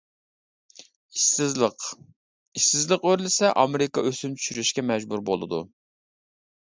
ئىشسىزلىق : ئىشسىزلىق ئۆرلىسە ئامېرىكا ئۆسۈم چۈشۈرۈشكە مەجبۇر بولىدۇ.